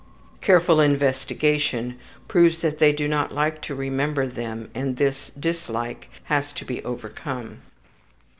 Careful investigation proves that they do not like to remember them and this dislike has to be overcome.